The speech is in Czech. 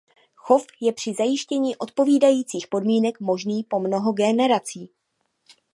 Chov je při zajištění odpovídajících podmínek možný po mnoho generací.